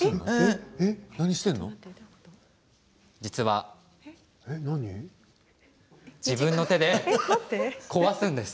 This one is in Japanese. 実は自分の手で壊すんです。